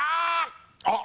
あっ！